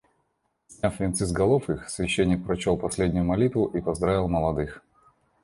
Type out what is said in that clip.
Сняв венцы с голов их, священник прочел последнюю молитву и поздравил молодых.